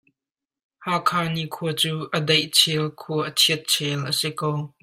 Hakha nikhua cu a daih chel khua a chiat chel a si ko.